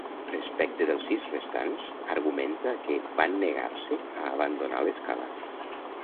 Respecte dels sis restants, argumenta que ‘van negar-se a abandonar l’escala’.